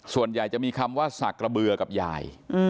ส่วนใหญ่จะมีคำว่าสักกระเบือกับยาย